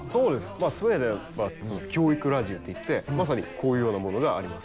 まあスウェーデンは教育ラジオっていってまさにこういうようなものがあります。